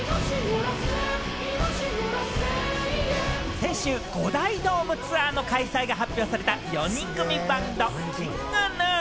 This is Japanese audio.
先週、五大ドームツアーの開催が発表された４人組バンド・ＫｉｎｇＧｎｕ。